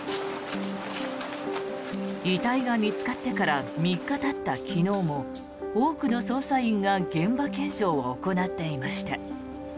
遺体が見つかってから３日たった昨日も多くの捜査員が現場検証を行っていました。